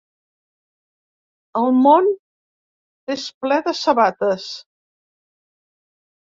El món és ple de sabates.